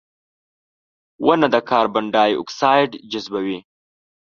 • ونه د کاربن ډای اکساید جذبوي.